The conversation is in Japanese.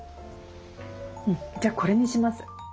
うんじゃあこれにします。